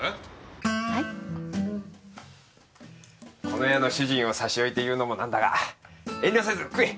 この家の主人を差し置いて言うのも何だが遠慮せず食え。